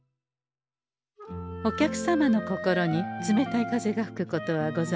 お客様の心に冷たい風がふくことはござんせんか？